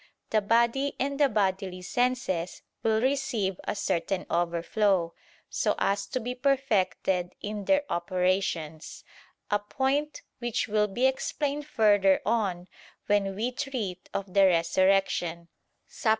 "the body and the bodily senses will receive a certain overflow, so as to be perfected in their operations"; a point which will be explained further on when we treat of the resurrection (Suppl.